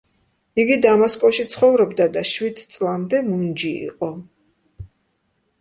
იგი დამასკოში ცხოვრობდა და შვიდ წლამდე მუნჯი იყო.